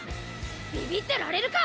ビビってられるか！